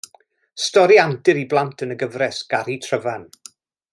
Stori antur i blant yn y gyfres Gari Tryfan.